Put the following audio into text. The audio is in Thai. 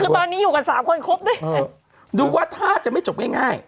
คือตอนนี้อยู่กันสามคนครบด้วยดูว่าถ้าจะไม่จบง่ายง่าย